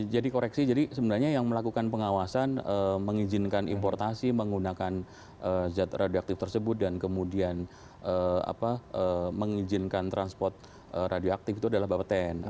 jadi koreksi jadi sebenarnya yang melakukan pengawasan mengizinkan importasi menggunakan zz radioaktif tersebut dan kemudian mengizinkan transport radioaktif itu adalah bapak ptn